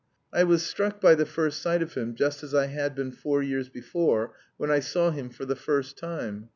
I was struck by the first sight of him just as I had been four years before, when I saw him for the first time.